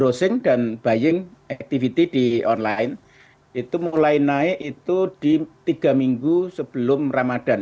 browsing dan buying activity di online itu mulai naik itu di tiga minggu sebelum ramadan